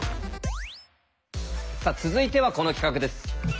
さあ続いてはこの企画です。